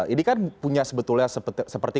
ini kan punya sebetulnya seperti